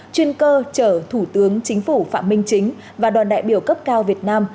chuyên cơ trở thủ tướng chính phủ phạm minh chính và đoàn đại biểu cấp cao việt nam